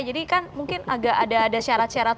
jadi kan mungkin agak ada syarat syarat